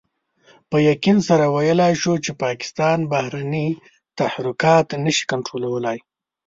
په يقين سره ويلای شو چې پاکستان بهرني تحرکات نشي کنټرولولای.